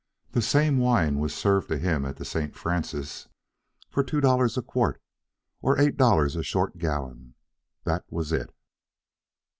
The same wine was served to him at the St. Francis for two dollars a quart, or eight dollars a short gallon. That was it.